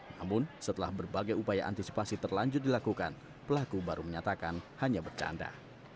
namun setelah berbagai upaya antisipasi terlanjut dilakukan pelaku baru menyatakan hanya bercanda